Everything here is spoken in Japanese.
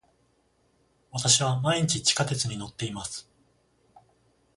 私は毎日地下鉄に乗っています。